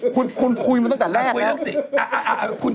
คุณคุยมาตั้งแต่แรกแล้ว